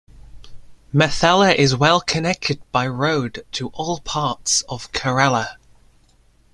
Methala is well connected by road to all parts of kerala.